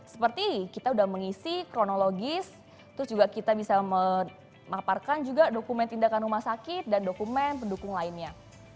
seperti kita sudah mengisi kronologis terus juga kita bisa memaparkan juga dokumen tindakan rumah sakit dan dokumen pendukung lainnya